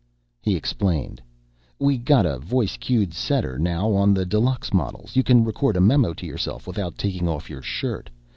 He explained, "We got a voice cued setter now on the deluxe models. You can record a memo to yourself without taking off your shirt.